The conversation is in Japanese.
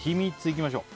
いきましょう。